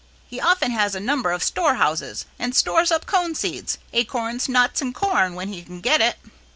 He often has a number of store houses and stores up cone seeds, acorns, nuts, and corn when he can get it.